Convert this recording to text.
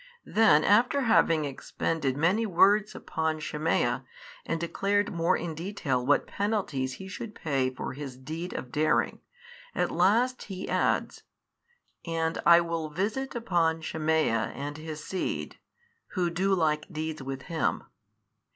Then after having expended many words upon Shemaiah, and declared more in detail what penalties he should pay for his deed of daring, at last He adds, and I will visit upon Shemaiah and his seed, who do like deeds with him 26.